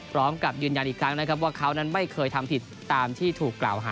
พร้อมกับยืนยันอีกครั้งนะครับว่าเขานั้นไม่เคยทำผิดตามที่ถูกกล่าวหา